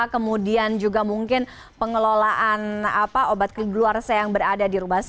kemudian juga mungkin pengelolaan obat keleluarsa yang berada di rumah sakit